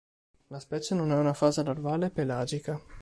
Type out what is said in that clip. La specie non ha una fase larvale pelagica.